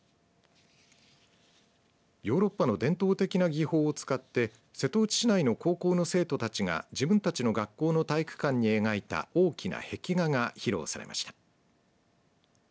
ヨーロッパの伝統的な技法を使って瀬戸内市内の高校の生徒たちが自分たちの学校の体育館に描いた大きな壁画が披露されました。